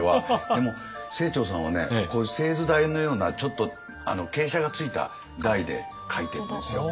でも清張さんはねこういう製図台のようなちょっと傾斜がついた台で書いてるんですよ。